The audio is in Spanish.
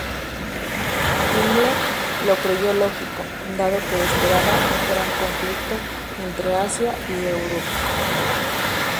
Himmler lo creyó lógico, dado que esperaba un gran conflicto entre Asia y Europa.